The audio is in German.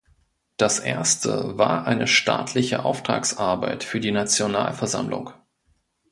Das erste war eine staatliche Auftragsarbeit für die Nationalversammlung.